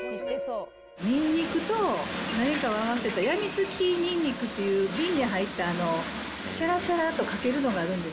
にんにくと何かを合わせたやみつきにんにくっていう、瓶に入ったしゃらしゃらとかけるのがあるんです。